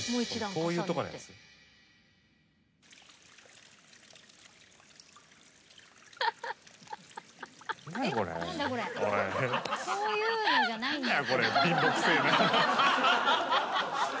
こういうのじゃないんだよ。